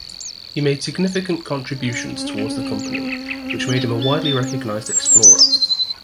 He made significant contributions towards the company, which made him a widely recognized explorer.